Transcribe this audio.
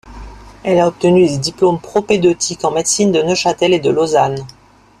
Elle a obtenu des diplômes propédeutiques en médecine de Neuchâtel et de Lausanne.